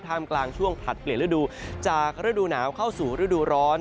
กลางช่วงผลัดเปลี่ยนฤดูจากฤดูหนาวเข้าสู่ฤดูร้อน